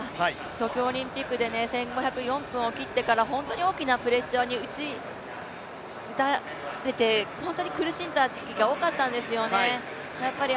東京オリンピックで本当に大きなプレッシャーに打たれて、本当に苦しんだ時期が多かったんですよね。